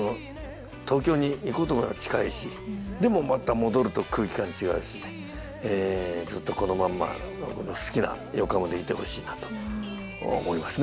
東京に行こうと思えば近いしでもまた戻ると空気感違うしずっとこのまんま僕の好きな横浜でいてほしいなと思いますねはい。